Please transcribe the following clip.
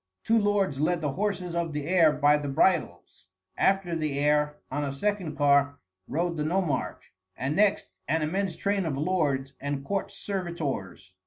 Two lords led the horses of the heir by the bridles. After the heir, on a second car, rode the nomarch, and next an immense train of lords and court servitors.